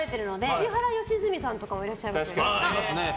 石原良純さんとかもいらっしゃいますね。